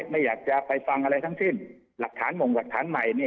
ไม่อยากจะไปฟังอะไรทั้งสิ้นหลักฐานมงหลักฐานใหม่